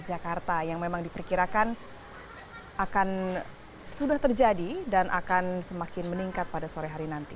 jakarta yang memang diperkirakan akan sudah terjadi dan akan semakin meningkat pada sore hari nanti